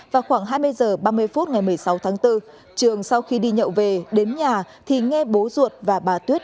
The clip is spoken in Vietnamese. vào khoảng hai mươi h ba mươi phút ngày một mươi sáu tháng bốn trường sau khi đi nhậu về đến nhà thì nghe bố ruột và bà tuyết